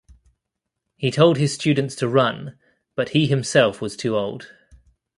He told his students to run, but he himself was too old.